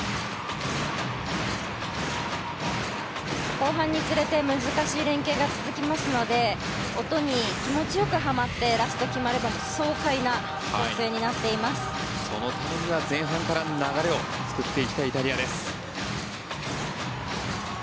後半につれて難しい連係が続きますので音に気持ち良くはまってラストが決まればそのためには前半から流れを作っていきたいイタリアです。